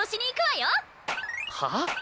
はあ？